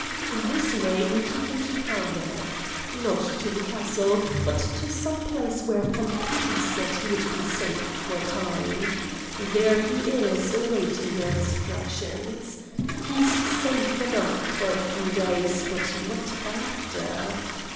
In this way we took him to Gramberg not to the castle, but to some place where von Krugen said he would be safe for a time. There he is awaiting your instructions. He's safe enough for a few days, but what after?"